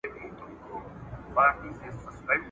یوه بل ته یې د زړه وکړې خبري `